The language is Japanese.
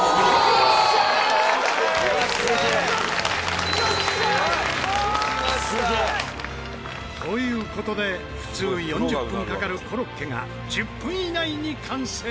「よっしゃー！よし！」という事で普通４０分かかるコロッケが１０分以内に完成。